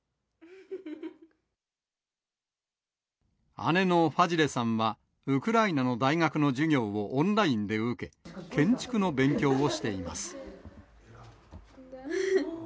姉のファジレさんは、ウクライナの大学の授業をオンラインで受け、建築の勉強をしています。